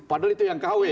padahal itu yang kw gitu